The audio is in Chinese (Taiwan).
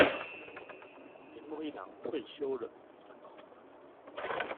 鈴木一朗退休了